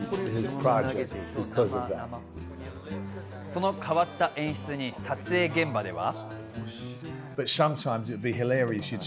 その変わった演出に撮影現場では。